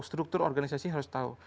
struktur organisasi harus tahu